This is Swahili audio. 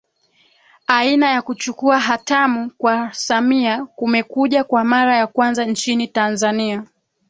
Aina ya kuchukua hatamu kwa Samia kumekuja kwa mara ya kwanza nchini Tanzania